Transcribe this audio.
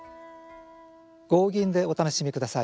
合吟でお楽しみください。